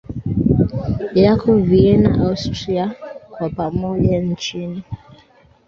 yako Vienna Austria Kwa pamoja nchi